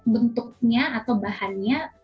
bentuknya atau bahannya